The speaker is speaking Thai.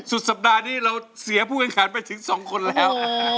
สุดสัปดาห์นี้เราเสียผู้แข่งขันไปถึง๒คนแล้ว